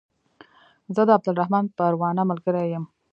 زه د عبدالرحمن پروانه ملګری يم